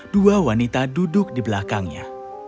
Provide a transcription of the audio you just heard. dua wanita duduk di belakangnya